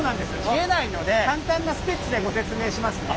見えないので簡単なスケッチでご説明しますね。